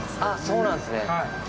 そうなんですね。